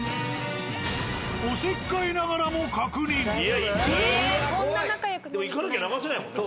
おせっかいながらもいや行く？でも行かなきゃ流せないもんね。